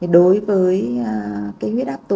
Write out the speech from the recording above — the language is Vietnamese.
đối với huyết áp tâm thu